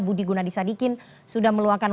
budi gunadisadikin sudah meluangkan